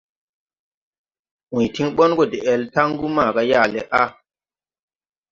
‘ũy tiŋ ɓɔŋ gɔ de-al taŋgu maaga yaale a.